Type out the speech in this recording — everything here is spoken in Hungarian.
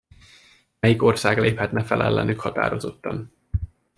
Melyik ország léphetne fel ellenük határozottan?